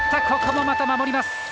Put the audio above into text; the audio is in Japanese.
ここもまた守ります。